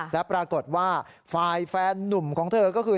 และปรากฏว่าฝ่ายแฟนนุ่มของเธอก็คือ